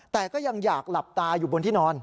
แต่ก็ยังอยากหลับตาอยู่บนที่นอน